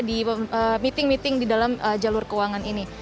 di meeting meeting di dalam jalur keuangan ini